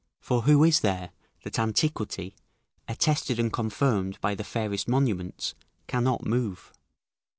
["For who is there that antiquity, attested and confirmed by the fairest monuments, cannot move?"